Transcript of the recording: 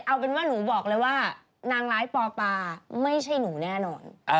เอาเป็นว่าหนูบอกเลยว่านางร้ายปอปาไม่ใช่หนูแน่นอน